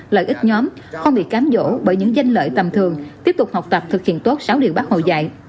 lợi ích nhóm không bị cám dỗ bởi những danh lợi tầm thường tiếp tục học tập thực hiện tốt sáu điều bác hồ dạy